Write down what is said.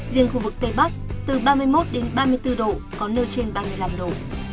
riêng khu vực tây bắc từ ba mươi một đến ba mươi bốn độ có nơi trên ba mươi năm độ